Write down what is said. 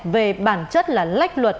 về bản chất là lách luật